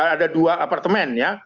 ada dua apartemen ya